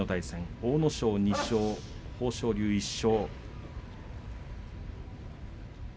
阿武咲２勝、豊昇龍１勝。